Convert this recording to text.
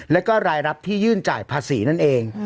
แล้วก็รายรับที่ยื่นจ่ายภาษีนั่นเอง